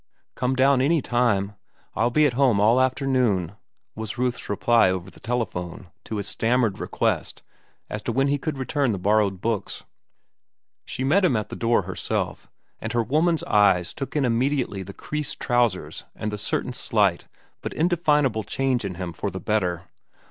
"Come down any time; I'll be at home all afternoon," was Ruth's reply over the telephone to his stammered request as to when he could return the borrowed books. She met him at the door herself, and her woman's eyes took in immediately the creased trousers and the certain slight but indefinable change in him for the better.